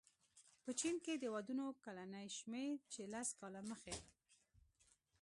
په چین کې د ودونو کلنی شمېر چې لس کاله مخې